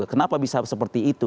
kenapa bisa seperti itu